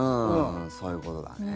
そういうことだね。